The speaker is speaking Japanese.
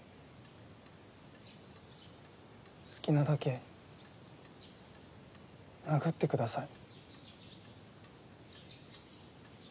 好きなだけ殴ってください。